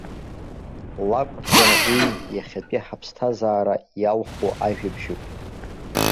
Лакәӡам уи, иахьатәи ҳаԥсҭазаара иалху ажәабжьуп.